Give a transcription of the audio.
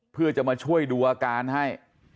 เพื่อจะมาช่วยดูอาการให้